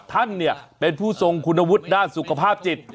ท่านเนี่ยเป็นผู้ทรงคุณวุฒิด้านสุขภาพจิต